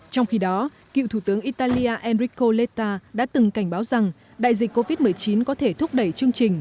trong khi đó cựu thủ tướng italia enrico letta đã từng cảnh báo rằng đại dịch covid một mươi chín có thể thúc đẩy chương trình